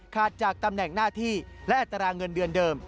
จากตำแหน่งหน้าที่และอัตราเงินเดือนเดิม